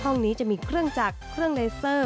ห้องนี้จะมีเครื่องจักรเครื่องเลเซอร์